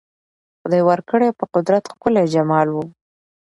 خدای ورکړی په قدرت ښکلی جمال وو